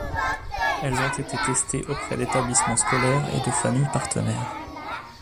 Elles ont été testées auprès d'établissements scolaires et de familles partenaires.